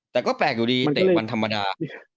แต่ก็แปลกอยู่ดีเตะวันธรรมดา